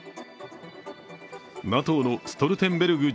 ＮＡＴＯのストルテンベルグ